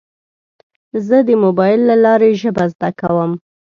زه د موبایل له لارې ژبه زده کوم.